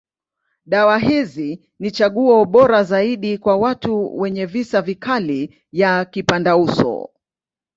Dawa hizi ni chaguo bora zaidi kwa watu wenye visa vikali ya kipandauso.